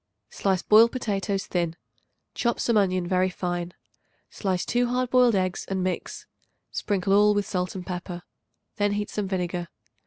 Slice boiled potatoes thin; chop some onion very fine; slice 2 hard boiled eggs and mix. Sprinkle all with salt and pepper. Then heat some vinegar.